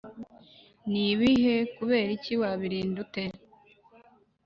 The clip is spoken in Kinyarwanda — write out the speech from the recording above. Ni ibihe? Kubera iki? Wabirinda ute?